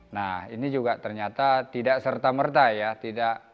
nah ini juga ternyata tidak serta merta ya